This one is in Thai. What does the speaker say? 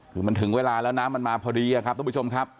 คือมันถึงเวลาแล้วน้ำมันมาพอดีครับทุกผู้ชมครับ